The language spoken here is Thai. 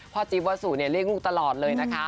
พ่อจิปวาสูเหลี่ยงลูกตลอดเลย